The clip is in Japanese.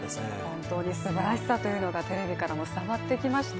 本当にすばらしさというのがテレビからも伝わってきました。